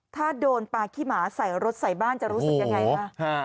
ถ้าโดนปลาขี้หมาใส่รถใส่บ้านจะรู้สึกยังไงคะ